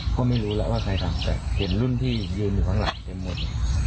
ก็ไม่รู้แล้วแหละแต่ที่รุ่นที่อยู่ฐานหลังเต็มหมด